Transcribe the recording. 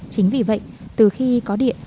chính vì vậy từ khi có điện